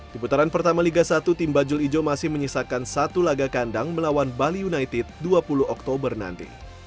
di putaran pertama liga satu tim bajul ijo masih menyisakan satu laga kandang melawan bali united dua puluh oktober nanti